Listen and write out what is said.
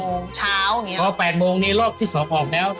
โมงเช้าอย่างนี้พอ๘โมงนี้รอบที่๒ออกแล้ว